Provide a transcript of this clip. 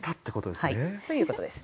はいということです。